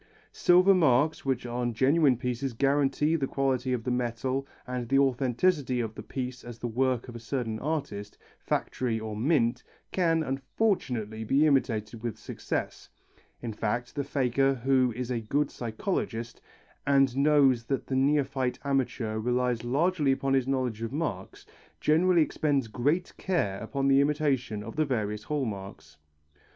Silver marks, which on genuine pieces guarantee the quality of the metal and the authenticity of the piece as the work of a certain artist, factory or mint, can, unfortunately, be imitated with success. In fact the faker who is a good psychologist and knows that the neophyte amateur relies largely upon his knowledge of marks, generally expends great care upon the imitation of the various hall marks.